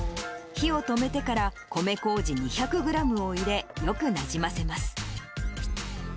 火を止めてから米こうじ２００グラムを入れ、よくなじませます。